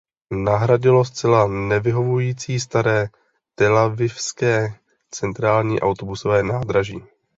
Nahradilo zcela nevyhovující staré telavivské centrální autobusové nádraží.